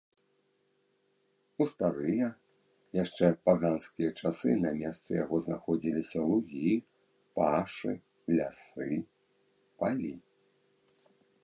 У старыя, яшчэ паганскія часы на месцы яго знаходзіліся лугі, пашы, лясы, палі.